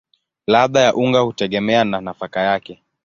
Ladha ya unga hutegemea na nafaka yake.